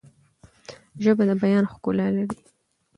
ژبه د بیان ښکلا لري.